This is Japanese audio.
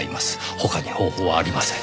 他に方法はありません。